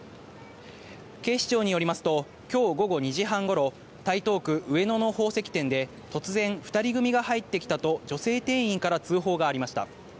警視庁によりますと、きょう午後２時半ごろ、台東区上野の宝石店で、突然、２人組が入ってきたと女性店員から通報がありました。